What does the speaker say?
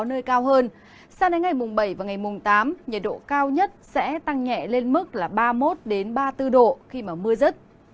nhiệt độ cao nhất sẽ tăng nhẹ lên mức ba mươi một đến ba mươi bốn độ khi mưa rứt